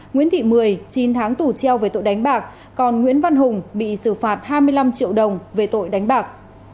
nguyễn thị mười chín tháng tù treo về tội đánh bạc còn nguyễn văn hùng bị xử phạt hai mươi năm triệu đồng về tội đánh bạc